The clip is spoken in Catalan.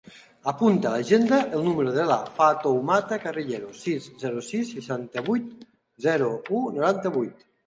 Apunta a l'agenda el número de la Fatoumata Carrilero: sis, zero, sis, seixanta-vuit, zero, u, noranta-vuit.